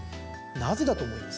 なぜだと思います？